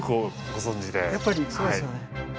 やっぱりそうですよね。